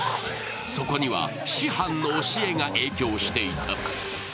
そこには師範の教えが影響していた。